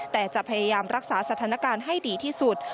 แต่จะพยายามรักษาสถานการณ์ให้ดีที่สุด